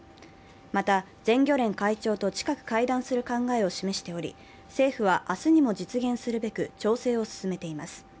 また、全漁連会長と近く会談する考えを示しており、政府は明日にも実現するべく調整を進めています。